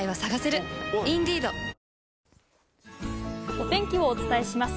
お天気をお伝えします。